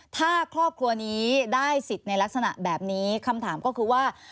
ถ้าครอบครัวนี้ได้สิทธิ์ในลักษณะแบบนี้คำถามก็คือว่า